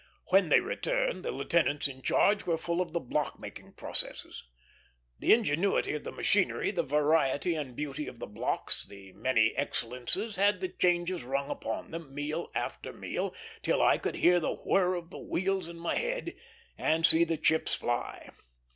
When they returned, the lieutenants in charge were full of the block making processes. The ingenuity of the machinery, the variety and beauty of the blocks, the many excellences, had the changes rung upon them, meal after meal, till I could hear the whir of the wheels in my head and see the chips fly.